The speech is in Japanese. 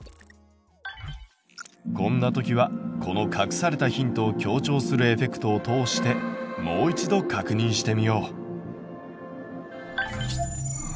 こんな時はこの隠されたヒントを強調するエフェクトを通してもう一度確認してみよう！